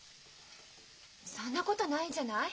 そんなことないんじゃない？